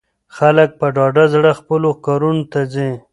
خلک په ډاډه زړه خپلو کارونو ته ځي.